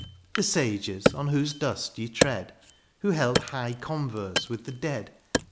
The sages, on whose dust ye tread. Who held high converse with the dead.